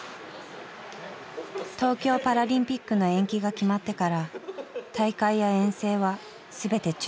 東京パラリンピックの延期が決まってから大会や遠征は全て中止。